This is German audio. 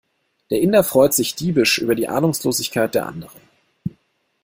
Der Inder freut sich diebisch über die Ahnungslosigkeit der anderen.